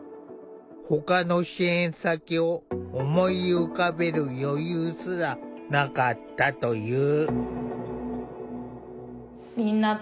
ほかの支援先を思い浮かべる余裕すらなかったという。